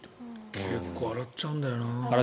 結構洗っちゃうんだよな。